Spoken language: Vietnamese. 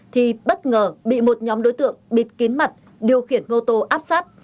thì bất ngờ bị một nhóm đối tượng bịt kín mặt điều khiển mô tô áp sát